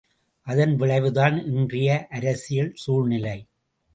அதன் விளைவுதான் இன்றைய அரசியல் சூழ்நிலை.